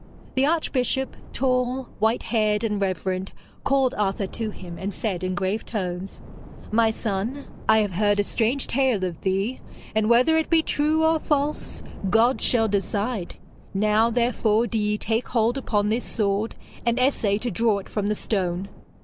The archbishop, tall, white haired and reverend, called Arthur to him and said in grave tones: 'My son, I have heard a strange tale of thee, and whether it be true or false, God shall decide. Now, therefore, do ye take hold upon this sword and essay to draw it from the stone.'